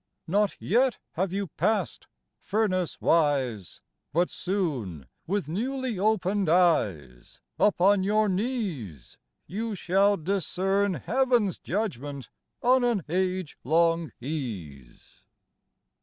Not yet have you passed furnace wise, But soon, with newly opened eyes, Upon your knees, You shall discern Heaven's judgment on an age long ease.